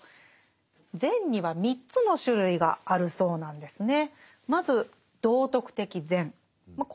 善には３つの種類があるそうなんですね。